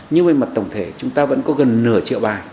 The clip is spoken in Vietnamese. nhưng về mặt tổng thể chúng ta vẫn có gần nửa triệu bài